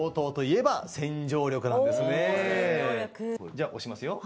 じゃあ押しますよ。